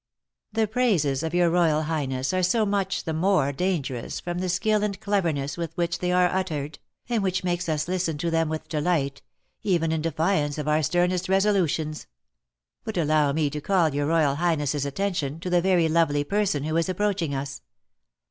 "The praises of your royal highness are so much the more dangerous from the skill and cleverness with which they are uttered, and which makes us listen to them with delight, even in defiance of our sternest resolutions. But allow me to call your royal highness's attention to the very lovely person who is approaching us.